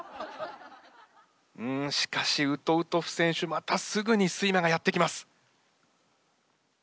うんしかしウトウトフ選手またすぐに睡魔がやって来ます。